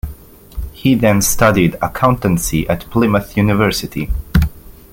He then studied Accountancy at Plymouth University.